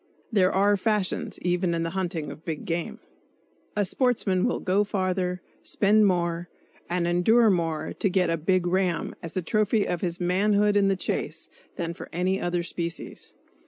(There are fashions, even in the hunting of big game!) A sportsman will go farther, spend more and endure more to get "a big ram" as a trophy of his manhood in the chase than for any other species.